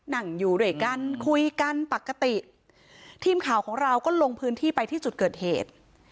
นั่งอยู่ด้วยกันคุยกันปกติทีมข่าวของเราก็ลงพื้นที่ไปที่จุดเกิดเหตุ